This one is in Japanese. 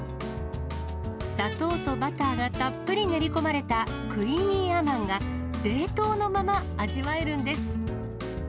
砂糖とバターがたっぷり練り込まれたクイニーアマンが、冷凍のまま味わえるんです。